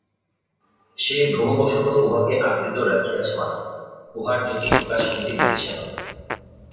সে ভ্রমবশত উহাকে আবৃত রাখিয়াছে মাত্র, উহার জ্যোতি প্রকাশ হইতে দিতেছে না।